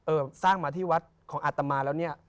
สร้างมาที่วัดของอาตมาแล้วเนี่ย